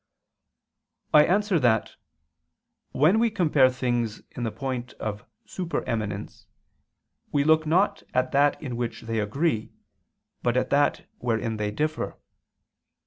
I answer that, When we compare things in the point of super eminence, we look not at that in which they agree, but at that wherein they differ.